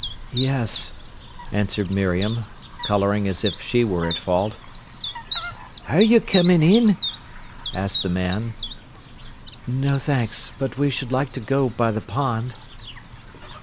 "Yes," answered Miriam, colouring as if she were at fault. "Are you comin' in?" asked the man. "No, thanks; but we should like to go by the pond."